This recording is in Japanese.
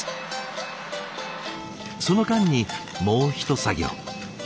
その間にもうひと作業。